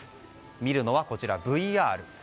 見るのは、ＶＲ。